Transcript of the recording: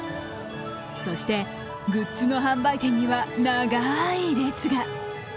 そして、グッズの販売店には長い列が。